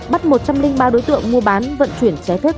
bắt một trăm linh ba đối tượng mua bán vận chuyển trái phép